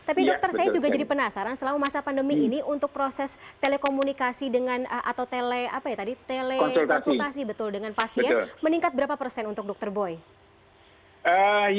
tapi dokter saya juga jadi penasaran selama masa pandemi ini untuk proses telekomunikasi dengan atau telekonsultasi betul dengan pasien meningkat berapa persen untuk dokter boy